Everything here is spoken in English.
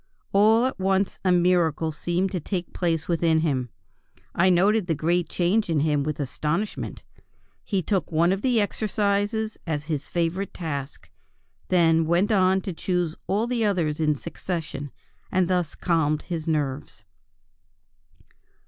All at once a miracle seemed to take place within him. I noted the great change in him with astonishment. He took one of the exercises as his favorite task, then went on to choose all the others in succession, and thus calmed his nerves."